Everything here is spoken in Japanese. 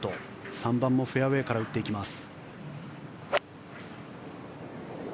３番もフェアウェーから打っていきます。